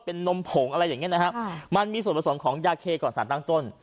เป็นนมผงอะไรอย่างเงี้นะฮะมันมีส่วนผสมของยาเคก่อนสารตั้งต้น